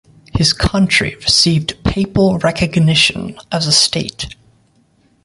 His country received papal recognition as a state.